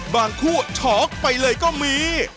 บางคู่ชอกไปเลยก็มี